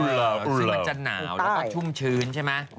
คือมันจะหนาวแล้วก็ชุ่มชื้นใช่ไหม